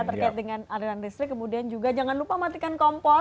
terkait dengan aliran listrik kemudian juga jangan lupa matikan kompor